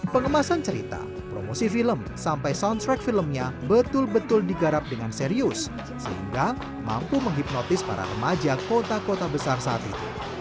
pengemasan cerita promosi film sampai soundtrack filmnya betul betul digarap dengan serius sehingga mampu menghipnotis para remaja kota kota besar saat itu